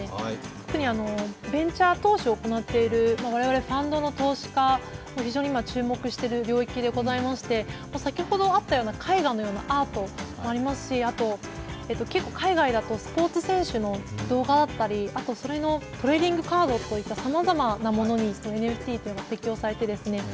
特にベンチャー投資を行っている我々ファンドの投資家が非常に今注目している領域でございまして先ほどあったような絵画のようなアートもありますし、あと結構、海外だとスポーツ選手の動画だったりそれのトレーディングカードといったさまざまなものにＮＦＴは適用されて。